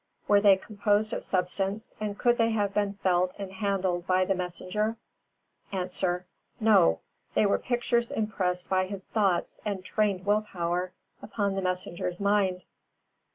Were they composed of substance and could they have been felt and handled by the messenger?_ A. No; they were pictures impressed by his thought and trained will power upon the messenger's mind.